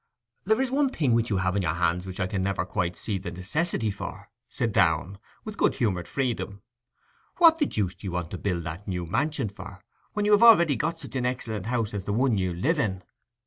'There is one thing you have on your hands which I can never quite see the necessity for,' said Downe, with good humoured freedom. 'What the deuce do you want to build that new mansion for, when you have already got such an excellent house as the one you live in?